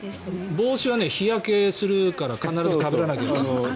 帽子は日焼けするから必ずかぶらないといけない。